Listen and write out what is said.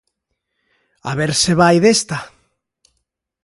A ver se vai desta.